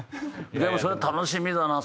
でもそれ楽しみだな。